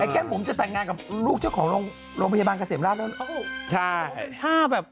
แค่บุ๋มจะแต่งงานกับลูกเจ้าของโรงพยาบาลเกษมราชแล้ว